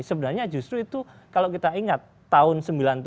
sebenarnya justru itu kalau kita ingat tahun sembilan puluh tujuh